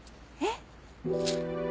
えっ？